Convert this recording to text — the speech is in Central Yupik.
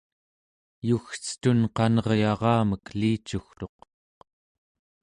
yugcetun qaneryaramek elicugtuq